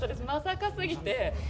まさかすぎて。